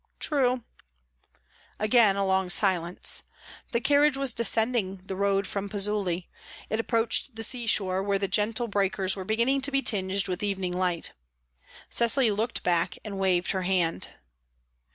"True." Again a long silence. The carriage was descending the road from Pozzuoli; it approached the sea shore, where the gentle breakers were beginning to be tinged with evening light. Cecily looked back and waved her hand.